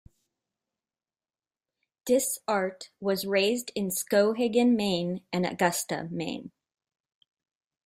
Dysart was raised in Skowhegan, Maine and Augusta, Maine.